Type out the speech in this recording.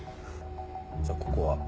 じゃあここは？